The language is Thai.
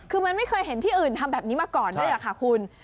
คือมันไม่เคยเห็นที่อื่นทำแบบนี้มาก่อนด้วยค่ะคุณ